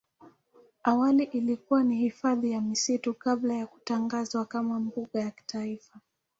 Awali ilikuwa ni hifadhi ya misitu kabla ya kutangazwa kama mbuga ya kitaifa.